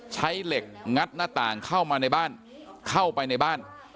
ใช้เหล็กงัดหน้าต่างเข้ามาในบ้านเข้าไปในบ้าน